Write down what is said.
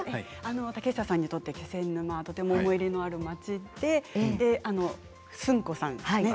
竹下さんにとって気仙沼はとても思い入れのある町で、寿ん子さん。